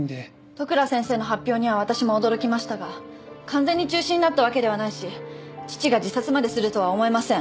利倉先生の発表には私も驚きましたが完全に中止になったわけではないし父が自殺までするとは思えません。